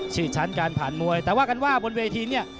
ชื่อชั้นการผ่านมวยแต่ว่ากันว่าบนเวทีเนี่ย